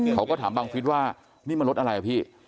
เขาก็ถามบังฟิศว่านี่มันรถอะไรอ่ะพี่